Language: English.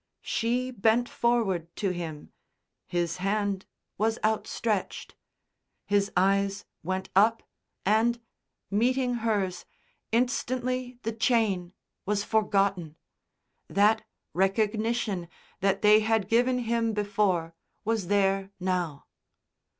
She bent forward to him, his hand was outstretched. His eyes went up and, meeting hers, instantly the chain was forgotten. That recognition that they had given him before was there now.